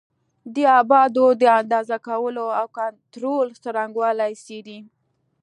د ابعادو د اندازه کولو او کنټرول څرنګوالي څېړي.